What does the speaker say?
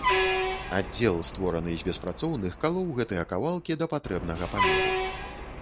Аддзел, створаны з беспрацоўных, калоў гэтыя кавалкі да патрэбнага памеру.